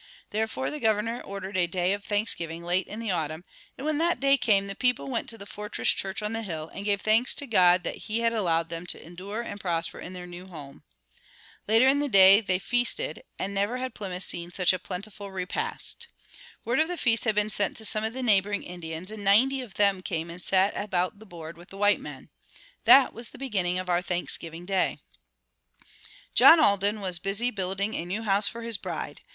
Therefore the Governor ordered a day of thanksgiving late in the autumn, and when that day came the people went to the fortress church on the hill and gave thanks to God that He had allowed them to endure and prosper in their new home. Later in the day they feasted, and never had Plymouth seen such a plentiful repast. Word of the feast had been sent to some of the neighboring Indians and ninety of them came and sat about the board with the white men. That was the beginning of our Thanksgiving Day. John Alden was busy building a new house for his bride.